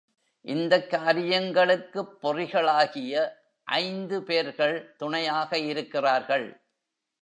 இந்தக் காரியங்களுக்குப் பொறிகளாகிய ஐந்து பேர்கள் துணையாக இருக்கிறார்கள்.